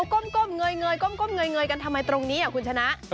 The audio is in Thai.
ก้มก้มเงยเงยก้มก้มเงยเงยกันทำไมตรงนี้อ่ะคุณชนะ